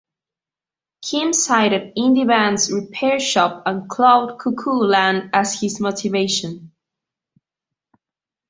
Kim cited indie bands Repair Shop and Cloud Cuckoo Land as his motivation.